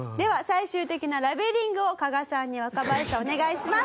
最終的なラベリングを加賀さんに若林さんお願いします。